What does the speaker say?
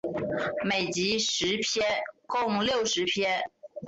每集十篇共六十篇。